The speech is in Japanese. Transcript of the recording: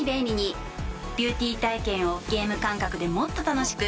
ビューティー体験をゲーム感覚でもっと楽しく。